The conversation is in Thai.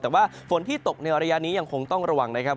แต่ว่าฝนที่ตกในระยะนี้ยังคงต้องระวังนะครับ